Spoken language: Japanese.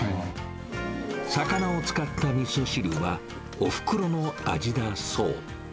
魚を使ったみそ汁は、おふくろの味だそう。